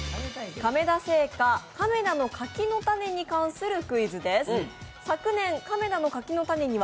亀田製菓、亀田の柿の種に関するクイズです。